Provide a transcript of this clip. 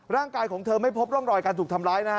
ร่างกายของเธอไม่พบร่องรอยการถูกทำร้าย